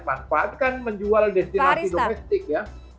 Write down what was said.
manfaat kan menjual destinasi domestik ya